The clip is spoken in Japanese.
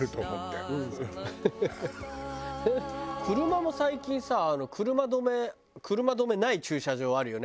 車も最近さ車止め車止めない駐車場あるよね